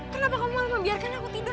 kenapa kamu membiarkan aku tidur